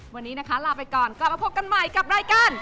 วันนี้นะคะลาไปก่อนกลับมาพบกันใหม่กับรายการ